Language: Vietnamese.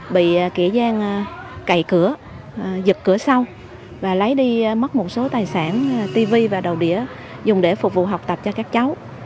bị kẻ gian cậy cửa giật cửa sau và lấy đi mất một số tài sản tv và đầu đĩa dùng để phục vụ học tập cho các cháu